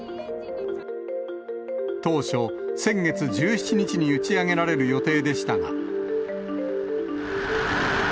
当初、先月１７日に打ち上げられる予定でしたが。